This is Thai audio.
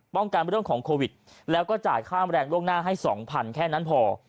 กันเรื่องของโควิดแล้วก็จ่ายค่าแรงล่วงหน้าให้๒๐๐แค่นั้นพอ